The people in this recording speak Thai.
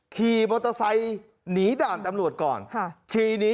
ขี่มอเตอร์ไซค์หนีด่านตำรวจก่อนขี่หนี